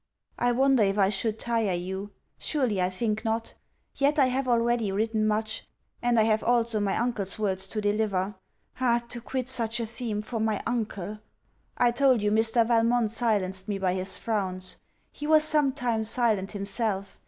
I wonder if I should tire you? Surely I think not: yet I have already written much, and I have also my uncle's words to deliver. Ah! to quit such a theme for my uncle! I told you, Mr. Valmont silenced me by his frowns. He was some time silent himself.